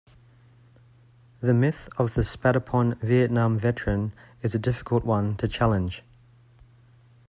The myth of the spat-upon Vietnam veteran is a difficult one to challenge.